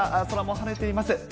空も晴れています。